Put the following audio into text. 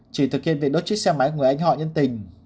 chỉ thực hiện việc đốt chiếc xe máy của anh họ nhân tình